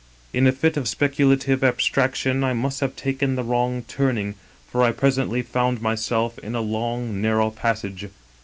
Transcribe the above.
" In a fit of speculative abstraction I must have taken the wrong turning, for I presently found myself in a long, narrow passage.